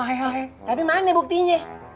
eh tapi mana buktinya